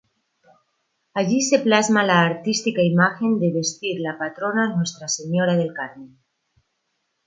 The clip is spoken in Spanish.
Allí se plasma la artística imagen de vestir la patrona Nuestra Señora del Carmen.